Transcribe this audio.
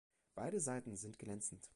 Beide Seiten sind glänzend.